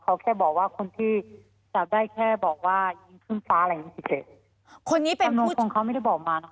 เขาแค่บอกว่าคนที่จับได้แค่บอกว่ายิงขึ้นฟ้าอะไรงี้เฉย